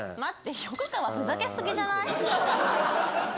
横川ふざけすぎじゃない？